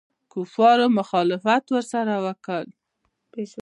کفارو مخالفت ورسره وکړ.